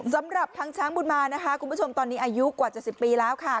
สำหรับทางช้างบุญมานะคะคุณผู้ชมตอนนี้อายุกว่า๗๐ปีแล้วค่ะ